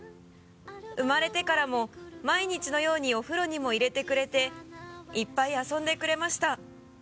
「生まれてからも毎日のようにお風呂にも入れてくれていっぱい遊んでくれました」